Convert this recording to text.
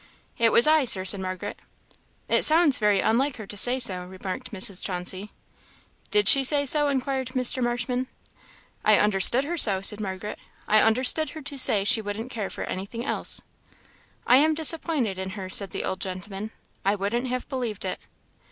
"It was I, Sir," said Margaret. "It sounds very unlike her to say so," remarked Mrs. Chauncey. "Did she say so?" inquired Mr. Marshman. "I understood her so," said Margaret "I understood her to say she wouldn't care for anything else." "I am disappointed in her," said the old gentleman; "I wouldn't have believed it."